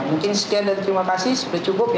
mungkin sekian dan terima kasih sudah cukup